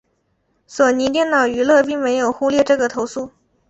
索尼电脑娱乐并没有忽略这个投诉。